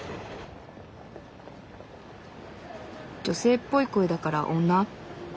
女性っぽい声だから女？